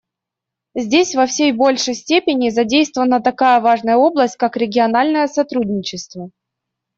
Здесь во все большей степени задействована такая важная область, как региональное сотрудничество.